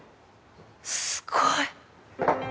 すごい。